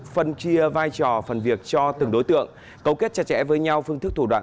phân chia vai trò phần việc cho từng đối tượng cấu kết chặt chẽ với nhau phương thức thủ đoạn